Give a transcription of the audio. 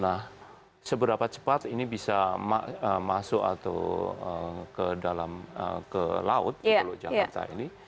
nah seberapa cepat ini bisa masuk atau ke dalam ke laut di teluk jakarta ini